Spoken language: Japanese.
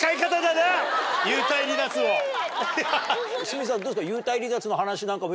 角さんどうですか？